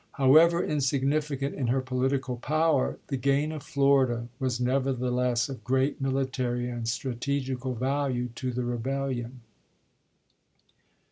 However insignificant in her political power, the gain of Florida was nevertheless of great military and strategical value to the rebellion.